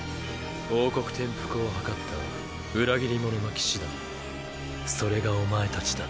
王国転覆を謀った裏切り者の騎士団それがお前たちだ。